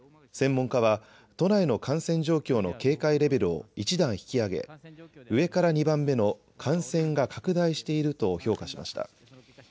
専門家は都内の感染状況の警戒レベルを１段引き上げ上から２番目の感染が拡大していると評価しました。